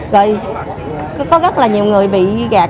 rồi có rất là nhiều người bị gạt